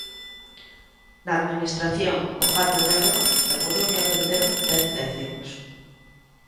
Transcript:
Na administración "O Gato negro" da Coruña venderon dez décimos.